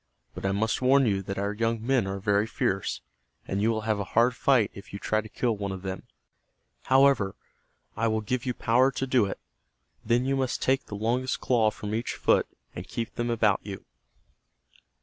But I must warn you that our young men are very fierce, and you will have a hard fight if you try to kill one of them. However, I will give you power to do it. Then you must take the longest claw from each foot, and keep them about you."